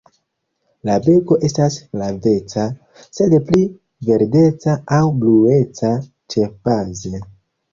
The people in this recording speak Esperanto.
La beko estas flaveca, sed pli verdeca aŭ blueca ĉebaze.